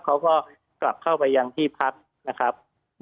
เขาก็กลับเข้าไปยังที่พักนะครับ